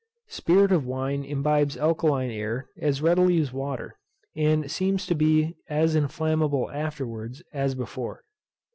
Spirit of wine imbibes alkaline air as readily as water, and seems to be as inflammable afterwards as before.